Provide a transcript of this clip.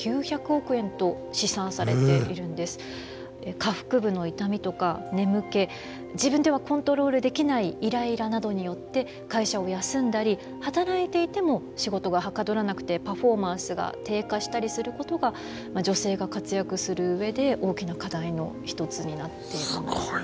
下腹部の痛みとか眠気自分ではコントロールできないイライラなどによって会社を休んだり働いていても仕事がはかどらなくてパフォーマンスが低下したりすることが女性が活躍する上で大きな課題の一つになっているんですよね。